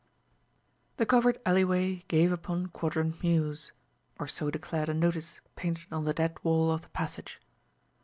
The covered alleyway gave upon Quadrant Mews; or so declared a notice painted on the dead wall of the passage.